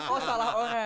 oh salah orang